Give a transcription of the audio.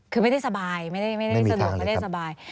คือไม่ได้สบายไม่ได้สะดวกไม่ได้สบาย